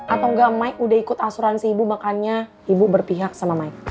atau enggak mike udah ikut asuransi ibu makannya ibu berpihak sama mike